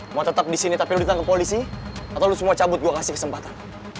mau tetap disini tapi lu ditangke polisi atau lu semua cabut gua kasih kesempatan